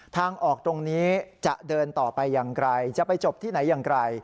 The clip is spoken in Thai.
ทางออกตรงนี้จะเดินต่อไปอย่างไรจะไปจบที่ไหนอย่างไร